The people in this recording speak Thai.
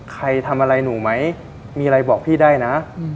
ใครทำอะไรหนูไหมมีอะไรบอกพี่ได้นะ